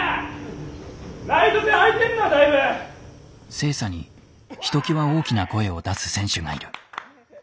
星槎にひときわ大きな声を出す選手がいる。